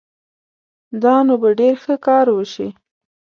دا نو به ډېر ښه کار وشي